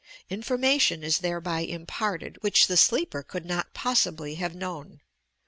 Information is thereby imparted, which the sleeper could not possibly have known.